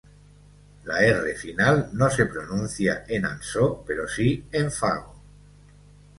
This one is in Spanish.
La "-r" final no se pronuncia en Ansó pero sí en Fago.